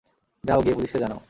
যাও, গিয়ে পুলিশকে জানাও।